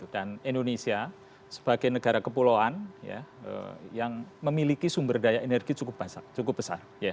dan indonesia sebagai negara kepulauan yang memiliki sumber daya energi cukup besar